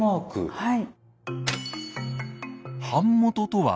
はい。